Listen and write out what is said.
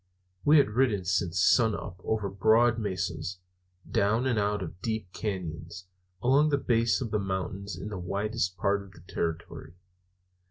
We had ridden since sunup over broad mesas, down and out of deep cañons, along the base of the mountains in the wildest parts of the territory.